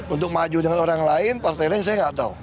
untuk maju dengan orang lain partai lain saya nggak tahu